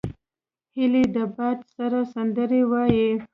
هیلۍ له باد سره سندرې وايي